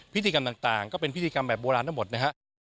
พิธีกรรมต่างก็เป็นพิธีกรรมแบบโบราณทั้งหมดนะฮะ